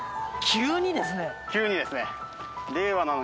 急にですね。